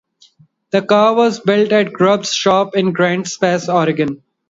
The car was built at Grubb's shop in Grants Pass, Oregon.